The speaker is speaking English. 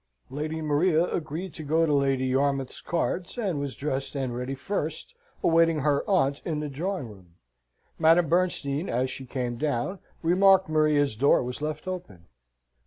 Lady Maria agreed to go to Lady Yarmouth's cards, and was dressed and ready first, awaiting her aunt in the drawing room. Madame Bernstein, as she came down, remarked Maria's door was left open.